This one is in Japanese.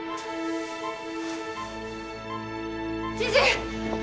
知事！